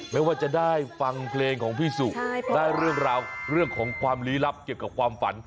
ไม่ว่าจะได้ฟังเพลงของพี่สุได้เรื่องราวเรื่องของความลี้ลับเกี่ยวกับความฝัน